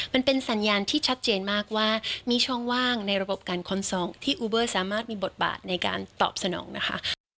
มันเป็นสัญญาณที่ชัดเจนมากว่ามีช่องว่างในระบบการค้นที่อูเบอร์สามารถมีบทบาทในการตอบสนองนะคะ